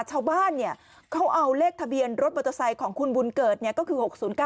ชาวบ้านเขาเอาเลขทะเบียนรถมอเตอร์ไซค์ของคุณบุญเกิดก็คือ๖๐๙